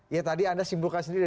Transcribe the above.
ya tadi anda simpulkan sendiri